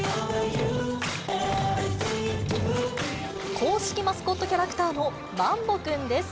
公式マスコットキャラクターのまんぼくんです。